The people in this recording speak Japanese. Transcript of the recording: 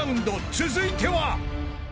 ［続いては］